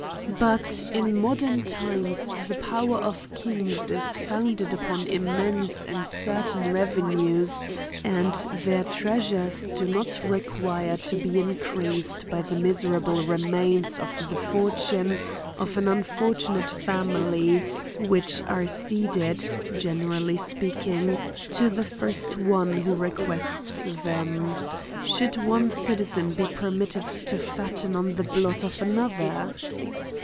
But, in modern times the power kings is founded upon immense and certain revenues, and their treasures do not re quire to be increased by the miserable remains ofthe fortune of an unfortunate family which are ceded, generally speaking, to the first one whore quests them — Should one citizen be permitted to fatten on the blood of another